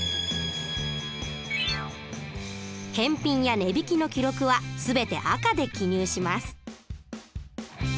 返品や値引きの記録は全て赤で記入します。